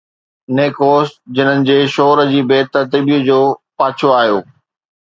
نيڪوش، جنن جي شور جي بي ترتيبيءَ جو پاڇو آيو